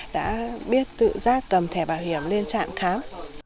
đã biết tự giác cầm thẻ bảo hiểm lên trạm khám